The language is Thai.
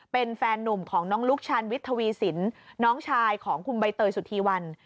เป็นแฟนหนุ่มของน้องลุกชาญวิทย์ทวีสินน้องชายของคุณใบเตยสุธีวัน